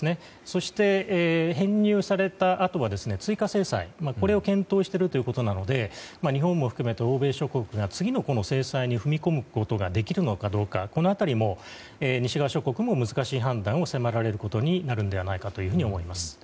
そして、編入されたあとは追加制裁を検討しているということなので日本も含めた欧米諸国が次の制裁に踏み込むことができるのかどうかも西側諸国も難しい判断を迫られることになると思います。